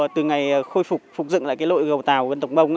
từ ngày khôi phục phục dựng lại cái lội gầu tàu của vân tổng bông